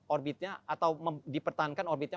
orbitnya atau dipertahankan orbitnya